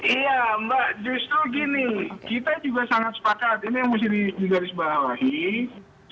iya mbak justru gini kita juga sangat sepakat ini yang mesti digarisbawahi